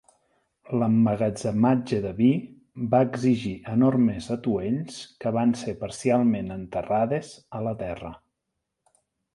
L'emmagatzematge de vi va exigir enormes atuells que van ser parcialment enterrades a la terra.